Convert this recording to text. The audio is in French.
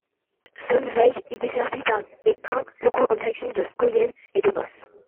Sonsveien est desservie par des trains locaux en direction de Skøyen et de Moss.